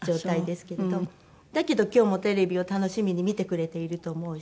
だけど今日もテレビを楽しみに見てくれていると思うし。